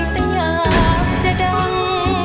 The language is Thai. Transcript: แต่อยากจะดัง